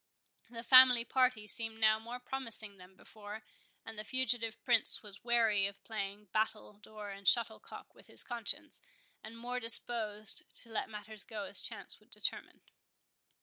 The family party seemed now more promising than before, and the fugitive Prince was weary of playing battledore and shuttlecock with his conscience, and much disposed to let matters go as chance should determine.